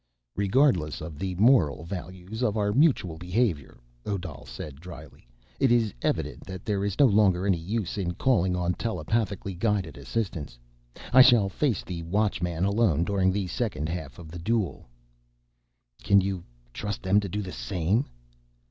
"Regardless of the moral values of our mutual behavior," Odal said dryly, "it is evident that there is no longer any use in calling on telepathically guided assistants. I shall face the Watchman alone during the second half of the duel." "Can you trust them to do the same?"